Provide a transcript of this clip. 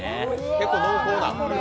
結構、濃厚な。